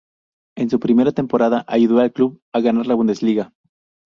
En su primera temporada ayudó al club a ganar la Bundesliga.